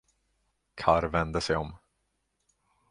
Karr vände sig om.